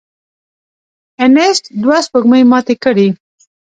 انیسټ دوه سپوږمۍ ماتې کړې.